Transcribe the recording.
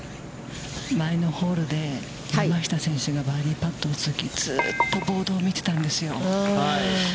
前のホールで、山下選手がバーディーパットを打っときずっとボードを見てたんですよ。